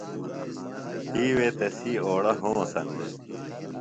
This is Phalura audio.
تی وے تسی اوڑہ ہونسن دےۡ۔